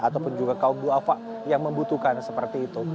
ataupun juga kaum guafa yang membutuhkan seperti itu